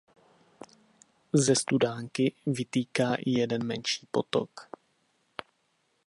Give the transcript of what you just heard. Ze studánky vytýká i jeden menší potok.